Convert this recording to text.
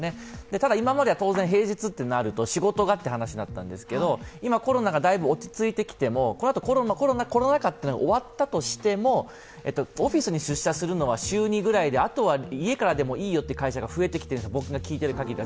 ただ、今までは当然平日となると「仕事が」という話になったんですけど、今、コロナがだいぶ落ち着いてきても、コロナ禍が終わったとしてもオフィスに出社するのは週２くらいであとは家からでもいいよという会社が増えてきているんです、僕が聞いているかぎりでは。